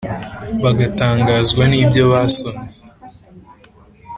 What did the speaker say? bagatangazwa n’ ibyo basomye